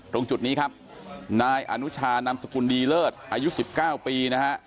ตรงจุดนี้ครับนายอนุชานามสกุลดีเลิศอายุ๑๙ปีนะฮะ